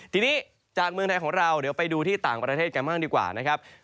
ทีนี้จากเมืองไทยของเราเดี๋ยวไปดูที่ต่างประเทศกันบ้างดีกว่านะครับ